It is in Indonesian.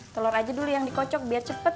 telur aja dulu yang dikocok biar cepat